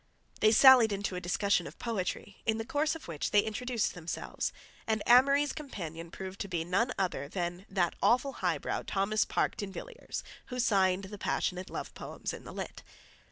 They sallied into a discussion of poetry, in the course of which they introduced themselves, and Amory's companion proved to be none other than "that awful highbrow, Thomas Parke D'Invilliers," who signed the passionate love poems in the Lit.